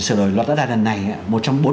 sửa đổi loại tất đa lần này một trong bốn